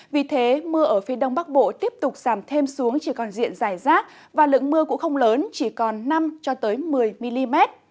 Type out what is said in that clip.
vì thế mưa ở phía đông bắc bộ tiếp tục giảm thêm xuống chỉ còn diện dài rác và lượng mưa cũng không lớn chỉ còn năm một mươi mm